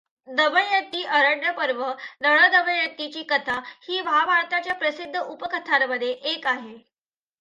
दमयंती अरण्यपर्व नळदमयंतीची कथा ही महाभारताच्या प्रसिद्ध उपकथांमध्ये एक आहे.